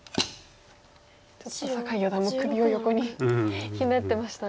ちょっと酒井四段も首を横にひねってましたね。